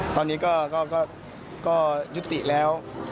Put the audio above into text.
ตอนนี้ก็ยุติแล้ว